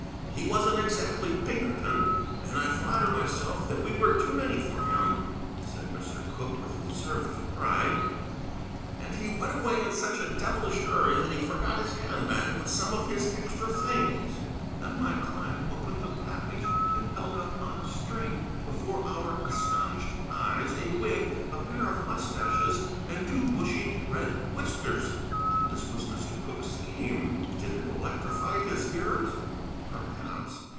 He wasn't exactly Pinkerton, and I flatter myself that we were too many for him," said Mr. Cooke, with deserved pride; "and he went away in such a devilish hurry that he forgot his hand bag with some of his extra things." Then my client opened the package, and held up on a string before our astonished eyes a wig, a pair of moustaches, and two bushy red whiskers. And this was Mr. Cooke's scheme! Did it electrify his hearers? Perhaps.